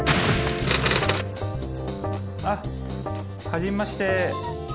あっはじめまして。